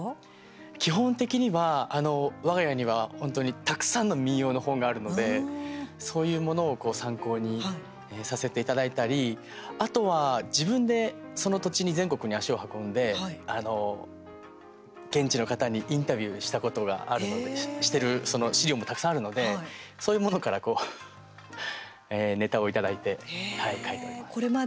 基本的には、あのわが家には本当にたくさんの民謡の本があるのでそういうものを参考にさせていただいたりあとは、自分でその土地に全国に足を運んで、あの現地の方にインタビューしたことがあるのでしてる資料もたくさんあるのでそういうものからネタをいただいて書いております。